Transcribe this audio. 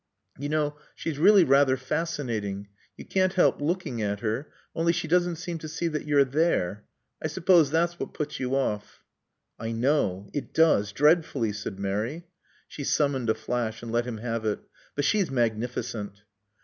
"You know, she's really rather fascinating. You can't help looking at her. Only she doesn't seem to see that you're there. I suppose that's what puts you off." "I know. It does, dreadfully," said Mary. She summoned a flash and let him have it. "But she's magnificent."